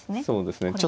そうですね。